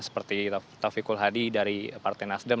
seperti taufikul hadi dari partai nasdem